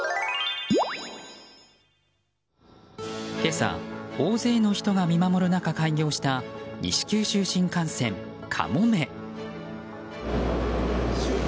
今朝、大勢の人が見守る中開業した西九州新幹線「かもめ」。